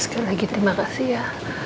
sekali lagi terima kasih ya